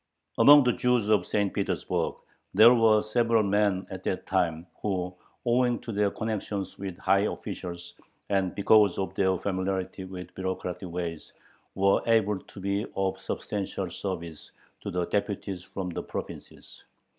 Among the Jews of St. Petersburg there were several men at that time who, owing to their connections with high officials and because of their familiarity with bureaucratic ways, were able to be of substantial service to the deputies from the provinces.